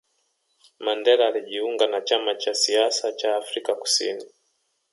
mandela alijiunga na chama cha siasa chaaAfrican kusini